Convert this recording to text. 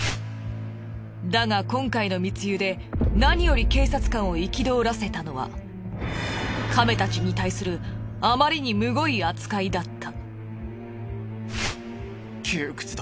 だが今回の密輸で何より警察官を憤らせたのはカメたちに対するあまりにむごい扱いだった。